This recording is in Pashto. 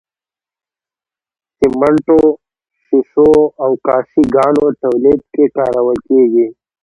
سمنټو، ښيښو او کاشي ګانو تولید کې کارول کیږي.